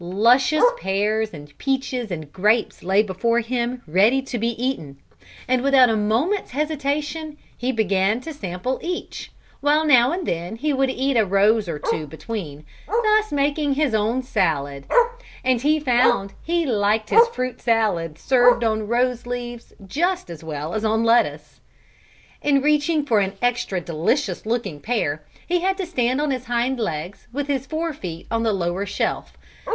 Luscious pears, peaches and grapes lay before him ready to be eaten, and without a moment's hesitation he began to sample each, while now and then he would eat a rose or two between, thus making his own salad. And he found he liked his fruit salad served on rose leaves just as well as on lettuce. In reaching for an extra delicious looking pear he had to stand on his hind legs with his fore feet on the lower shelf.